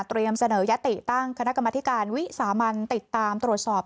เสนอยติตั้งคณะกรรมธิการวิสามันติดตามตรวจสอบ